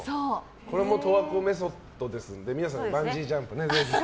これも十和子メソッドですので皆さんバンジージャンプぜひ。